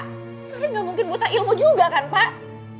karena gak mungkin buta ilmu juga kan pak